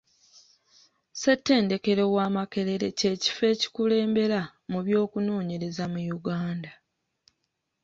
Ssetendekero wa Makerere kye kifo ekikulembera mu by'okunoonyereza mu Uganda.